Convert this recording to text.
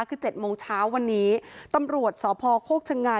คือเจ็ดโมงเช้าวันนี้ตำรวจสาวพอร์โคกชังไง